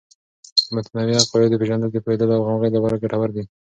د متنوع عقایدو پیژندل د پوهیدلو او همغږۍ لپاره ګټور دی.